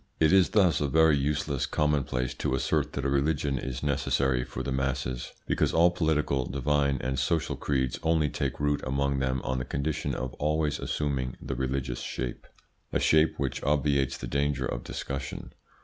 It is thus a very useless commonplace to assert that a religion is necessary for the masses, because all political, divine, and social creeds only take root among them on the condition of always assuming the religious shape a shape which obviates the danger of discussion.